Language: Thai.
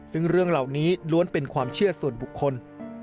ซึ่งเรื่องเหล่านี้ล้วนเป็นความเชื่อส่วนบุคคล